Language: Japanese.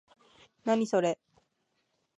何、それ？